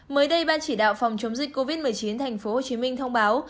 mới đây ban chỉ đạo phòng chống dịch covid một mươi chín tp hcm thông báo